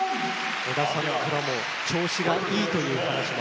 織田さんからも調子がいいという話もありました。